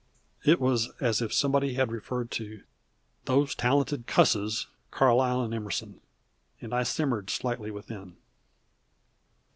It was as if somebody had referred to "those talented cusses, Carlyle and Emerson," and I simmered slightly within.